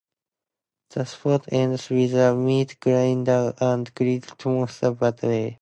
The spot ends with a meat grinder and grilled monster burgers.